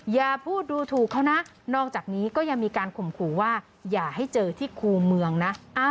อย่าพูดดูถูกเขานะนอกจากนี้ก็ยังมีการข่มขู่ว่าอย่าให้เจอที่คู่เมืองนะ